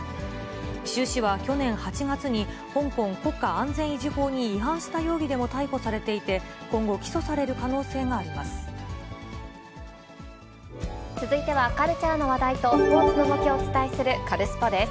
周氏は去年８月に、香港国家安全維持法に違反した容疑でも逮捕されていて、今後、続いては、カルチャーの話題とスポーツの動きをお伝えするカルスポっ！です。